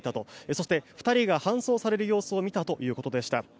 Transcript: そして、２人が搬送される様子を見たということでした。